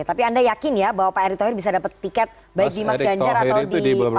tapi anda yakin ya bahwa pak erick thohir bisa dapat tiket baik di mas ganjar atau di